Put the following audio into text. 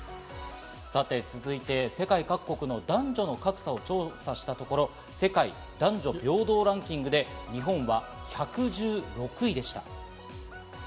さて、続いては世界各国の男女格差を調査したところ、世界男女平等ランキングで日本は１１６位でした。